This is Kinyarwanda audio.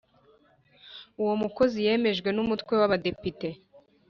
Uwo mukozi yemejwe n Umutwe w Abadepite